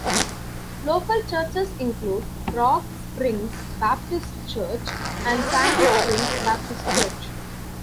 Local churches include Rock Springs Baptist Church and Sandy Springs Baptist Church.